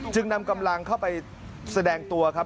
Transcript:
นำกำลังเข้าไปแสดงตัวครับ